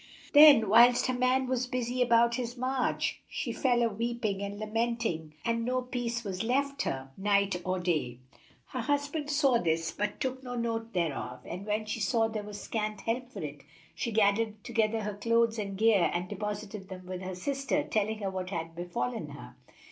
Then, whilst her man was busy about his march she fell a weeping and lamenting and no peace was left her, night or day. Her husband saw this, but took no note thereof; and when she saw there was scant help for it, she gathered together her clothes and gear and deposited them with her sister, telling her what had befallen her.